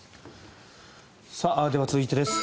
では続いてです。